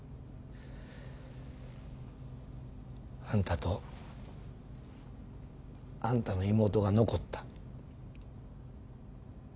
あんたとあんたの妹が残った。